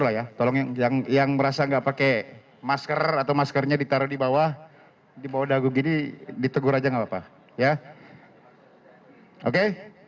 yang merasa gak pakai masker atau maskernya ditaruh di bawah di bawah dagu gini ditegur aja gak apa apa